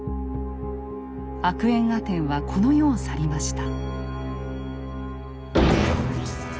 アクエンアテンはこの世を去りました。